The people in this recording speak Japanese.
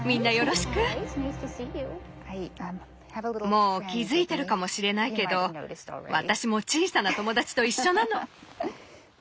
もう気付いてるかもしれないけど私も小さな友達と一緒なの。